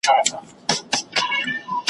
د یوه معتاد لخوا ,